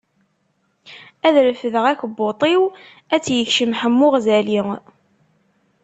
Ad refdeɣ akebbuṭ-iw, ad tt-ikcem Ḥemmu Ɣzali.